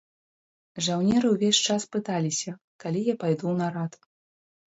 Жаўнеры ўвесь час пыталіся, калі я пайду ў нарад.